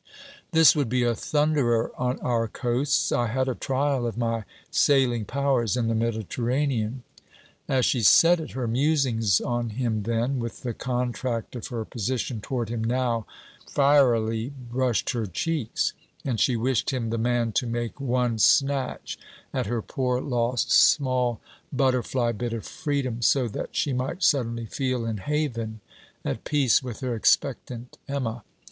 'This would be a thunderer on our coasts. I had a trial of my sailing powers in the Mediterranean.' As she said it, her musings on him then, with the contract of her position toward him now, fierily brushed her cheeks; and she wished him the man to make one snatch at her poor lost small butterfly bit of freedom, so that she might suddenly feel in haven, at peace with her expectant Emma.